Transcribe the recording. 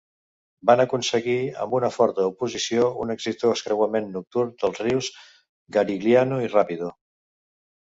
Van aconseguir, amb una forta oposició, un exitós creuament nocturn dels rius Garigliano i Rapido.